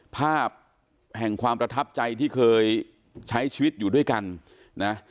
ภาพแห่งความประทับใจที่เคยใช้ชีวิตอยู่ด้วยกันนะ